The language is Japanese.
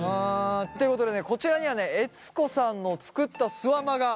ということでねこちらにはね悦子さんの作ったすわまが。